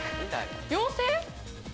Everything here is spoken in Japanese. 妖精？